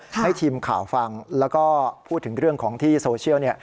ให้ทีมข่าวฟังแล้วก็พูดถึงเรื่องของที่โซเชียล